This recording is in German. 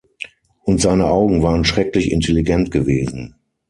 Und seine Augen waren schrecklich intelligent gewesen.